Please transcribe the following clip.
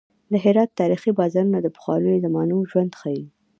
د هرات تاریخي بازارونه د پخوانیو زمانو ژوند ښيي.